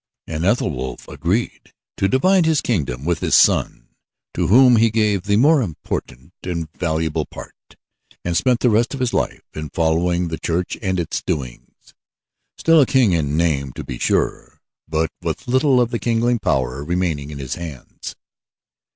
And Ethelwulf agreed to divide his kingdom with his son, to whom he gave the more important and valuable part, and spent the rest of his life in following the church and its doings still a king in name to be sure, but with little of the kingly power remaining in his hands.